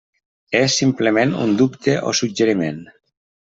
És, simplement, un dubte o suggeriment.